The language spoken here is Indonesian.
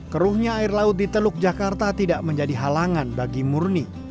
keruhnya air laut di teluk jakarta tidak menjadi halangan bagi murni